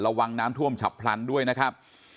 ระวังน้ำท่วมฉับพลันด้วยนะครับ